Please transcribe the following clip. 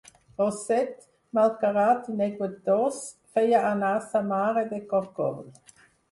Rosset, malcarat i neguitós, feia anar sa mare de corcoll.